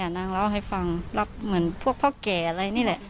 นางเล่าให้ฟังรับเหมือนพวกพ่อแก่อะไรนี่แหละ